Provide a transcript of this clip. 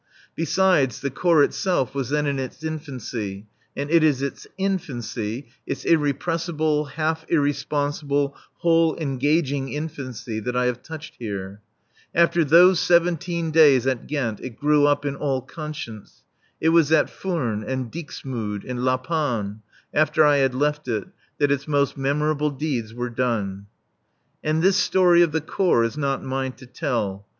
Besides, the Corps itself was then in its infancy, and it is its infancy its irrepressible, half irresponsible, whole engaging infancy that I have touched here. After those seventeen days at Ghent it grew up in all conscience. It was at Furnes and Dixmude and La Panne, after I had left it, that its most memorable deeds were done.[A] And this story of the Corps is not mine to tell.